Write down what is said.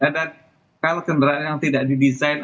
dan kalau kendaraan yang tidak didesain